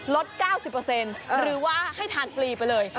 ลด๙๐เปอร์เซ็นต์หรือว่าให้ทานฟรีไปเลย